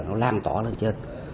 nó lan tỏa lên trên